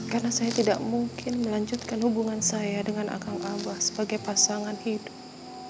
karena saya tidak mungkin melanjutkan hubungan saya dengan akang abah sebagai pasangan hidup